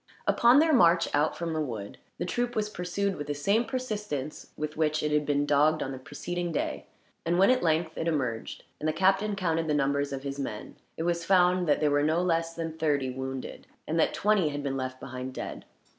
Upon their march out from the wood, the troop was pursued with the same persistence with which it had been dogged on the preceding day; and when at length it emerged, and the captain counted the numbers of his men, it was found that there were no less than thirty wounded, and that twenty had been left behind, dead.